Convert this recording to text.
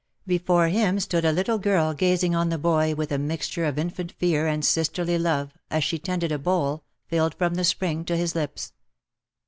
Be fore him stood a little girl gazing on the boy with a mixture of infant fear and sisterly love, as she tended a bowl, filled from the spring, to his lips.